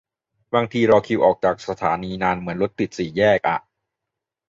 บางทีรอคิวออกจากสถานีนานเหมือนรถติดสี่แยกอะ